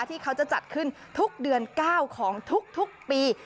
ที่เขาจะจัดขึ้นทุกเดือน๙ของทุกปี